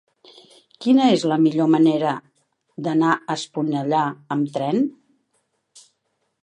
Quina és la millor manera d'anar a Esponellà amb tren?